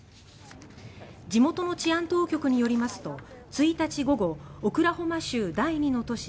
地元の治安当局によりますと１日午後オクラホマ州第２の都市